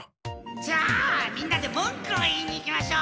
じゃあみんなでもんくを言いに行きましょう。